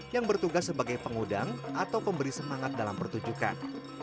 yang bertugas sebagai pengudang atau pemberi semangat dalam pertunjukan